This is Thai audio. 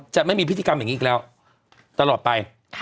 จะไม่มีพิธีกรรมอย่างนี้อีกแล้วตลอดไป